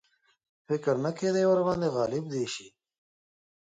فکر نه کېدی ورباندي غالب دي شي.